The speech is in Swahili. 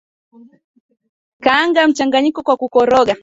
Kaanga mchanganyiko kwa kukoroga